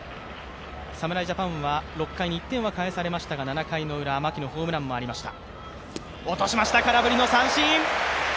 侍ジャパンは６回に１点は返されましたが、７回のウラ、牧のホームランもありました。